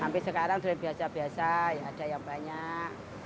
tapi sekarang durian biasa biasa ada yang banyak